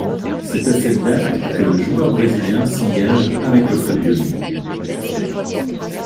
C'est à cette date que le joueur brésilien s'engage avec le club lyonnais.